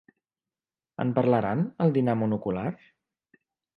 ¿En parlaran, al dinar monocular?